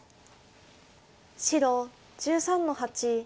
白１３の八。